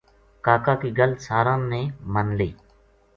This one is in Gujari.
کاکا کی گل ساراں نے من لئی